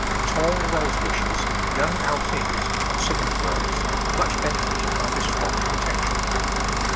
Tall Rose bushes, young Althaeas, and similar growths, are much benefited by this form of protection.